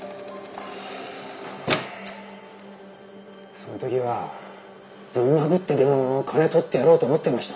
そんときはぶん殴ってでも金とってやろうと思ってました。